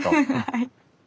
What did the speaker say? はい。